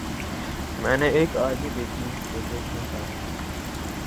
میں نے ایک آری دیکھی جو دیکھ نہ پایا۔